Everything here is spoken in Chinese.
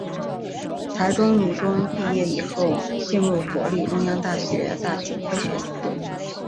台中女中毕业以后进入国立中央大学大气科学系就读。